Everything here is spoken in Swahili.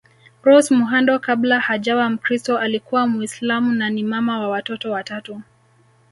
Rose Muhando kabla hajawa mkristo alikuwa Muislam na ni mama wa watoto watatu